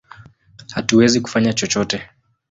Hatuwezi kufanya chochote!